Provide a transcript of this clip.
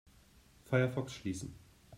Firefox schließen.